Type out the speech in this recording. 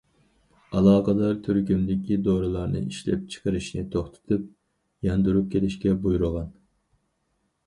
ئالاقىدار تۈركۈمدىكى دورىلارنى ئىشلەپچىقىرىشنى توختىتىپ، ياندۇرۇپ كېلىشكە بۇيرۇغان.